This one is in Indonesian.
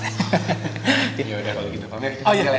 terima kasih ya